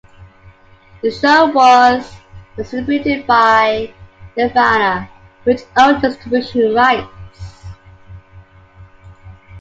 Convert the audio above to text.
The show was distributed by Nelvana, which owned the distribution rights.